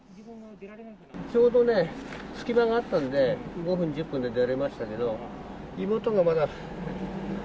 ちょうどね、隙間があったんで、５分、１０分で出られましたけど、妹がまだ。